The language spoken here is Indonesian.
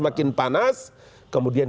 makin panas kemudian